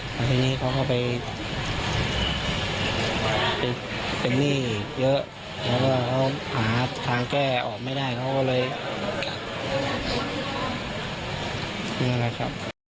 แล้วทีนี้เขาก็ไปเป็นหนี้เยอะแล้วก็เขาหาทางแก้ออกไม่ได้เขาก็เลยนี่แหละครับ